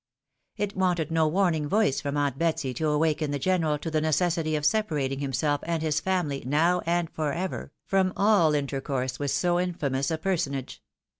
It wanted no warning voice from aunt Betsy to awaken the general to the necessity of separating himself and his family now and for ever, from all intercourse with so infamous a personage.